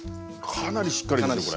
かなりしっかりですよ